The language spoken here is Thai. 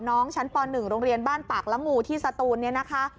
น้องชั้นป๑โรงเรียนบ้านปากละงูที่สตูนเนี่ยนะคะ